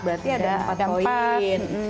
berarti ada empat koin